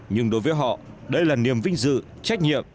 nhưng đối với họ đây là niềm vinh dự trách nhiệm